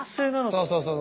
そうそうそう。